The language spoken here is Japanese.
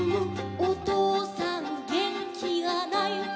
おとうさんげんきがない」